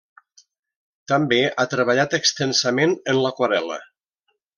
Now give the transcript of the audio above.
També ha treballat extensament en l'aquarel·la.